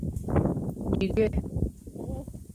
Нигӧ!